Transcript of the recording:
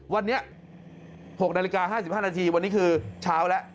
วันนี้๖นาฬิกา๕๕นาทีวันนี้คือเช้าแล้ว